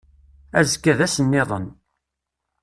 Azekka d ass nniḍen.